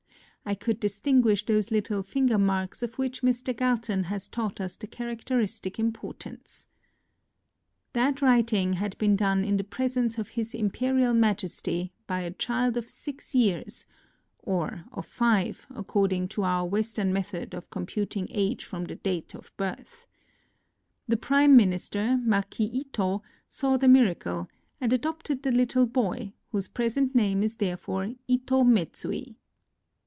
I could distinguish those little finger marks of which Mr. Gal ton has taught us the characteristic impor tance. That writing had been done in the presence of His Imperial Majesty by a child of six years, — or of five, according to our Western method of computing age from the date of 48 NOTES OF A TRIP TO KYOTO birth. The prime minister, Marquis Ito, saw the miracle, and adopted the little boy, whose present name is therefore Ito Medzui.